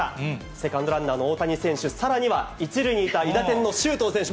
セカンドランナーの大谷選手、さらには１塁にいた韋駄天の周東選手。